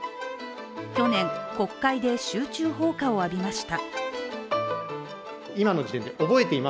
去年、国会で集中砲火を浴びました。